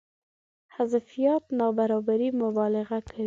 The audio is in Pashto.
حذفيات نابرابرۍ مبالغه کوي.